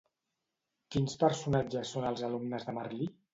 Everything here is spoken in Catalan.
Quins personatges són els alumnes de Merlí?